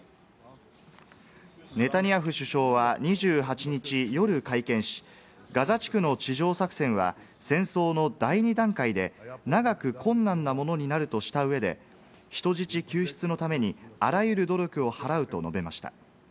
ネタニヤフ首相は２８日夜会見し、ガザ地区の地上作戦は戦争の第２段階で長く困難なものになるとした上で、人質救出のために、あらゆる努力を払うと述べました。